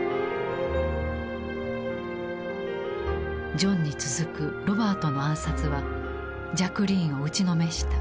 ジョンに続くロバートの暗殺はジャクリーンを打ちのめした。